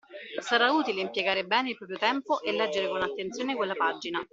Sarà utile impiegare bene il proprio tempo e leggere con attenzione quella pagina.